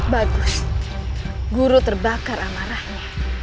bagus guru terbakar amarahnya